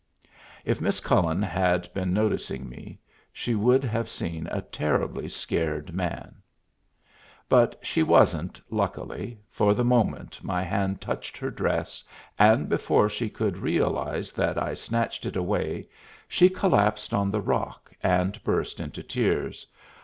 If Miss Cullen had been noticing me, she would have seen a terribly scared man. But she wasn't, luckily, for the moment my hand touched her dress, and before she could realize that I snatched it away, she collapsed on the rock, and burst into tears.